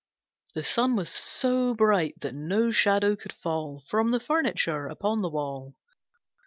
The sun was so bright that no shadow could fall From the furniture upon the wall.